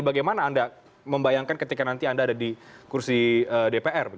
bagaimana anda membayangkan ketika nanti anda ada di kursi dpr